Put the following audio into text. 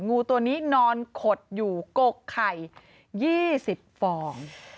งูตัวนี้นอนขดอยู่กกไข่๒๐ฟอง